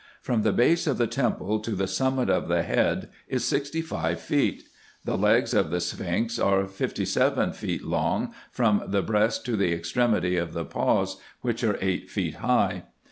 From the base of the temple to the summit of the head is sixty five feet : the legs of the sphinx are fifty seven feet long from the breast to the extremity of the paws, which are eight feet high.